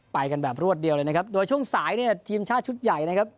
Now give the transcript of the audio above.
ไปกันแบบรวดเดียวเลยนะครับโดยช่วงสายเนี่ยทีมชาติชุดใหญ่นะครับ